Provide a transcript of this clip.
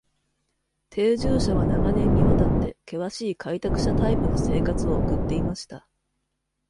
定住者は長年にわたって、険しい開拓者タイプの生活を送っていました。